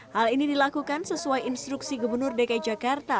hal ini dilakukan sesuai instruksi gubernur dki jakarta